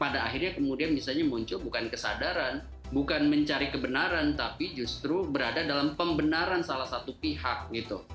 pada akhirnya kemudian misalnya muncul bukan kesadaran bukan mencari kebenaran tapi justru berada dalam pembenaran salah satu pihak gitu